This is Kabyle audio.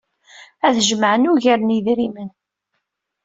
Ad jemɛen ugar n yedrimen.